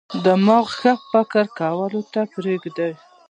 دماغ ښه فکر کولو ته پریږدي.